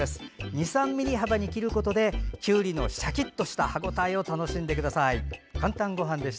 ２３ｍｍ幅に切ることできゅうりのシャキっとした歯応えを楽しんでください。